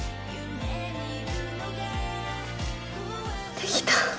できた！